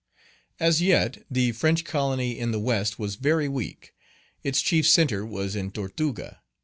As yet, the French colony in the West was very weak. Its chief centre was in Tortuga.